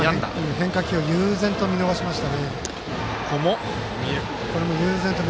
変化球を悠然と見逃しました。